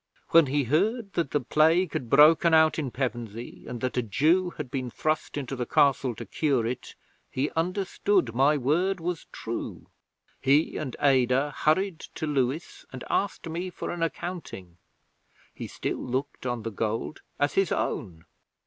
When he heard that the Plague had broken out in Pevensey, and that a Jew had been thrust into the Castle to cure it, he understood my word was true. He and Adah hurried to Lewes and asked me for an accounting. He still looked on the gold as his own.